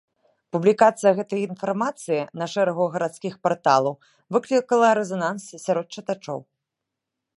Публікацыя гэтай інфармацыі на шэрагу гарадскіх парталаў выклікала рэзананс сярод чытачоў.